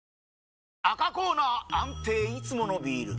赤コーナー安定いつものビール！